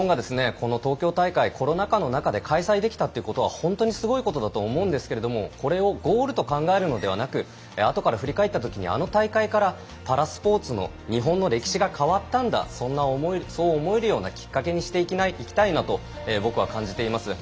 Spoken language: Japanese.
この東京大会コロナ禍の中で開催できたことは本当にすごいことだと思うんですけどこれをゴールと考えるのではなくてあとから振り返ったときにあの大会からパラスポーツの日本の歴史が変わったんだそう思えるようなきっかけにしていきたいなと僕は感じています。